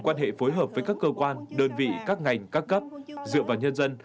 quan hệ phối hợp với các cơ quan đơn vị các ngành các cấp dựa vào nhân dân